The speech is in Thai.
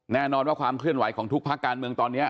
แน่นอนว่าความเคลื่อนไหวของทุกภาคการเมืองตอนนี้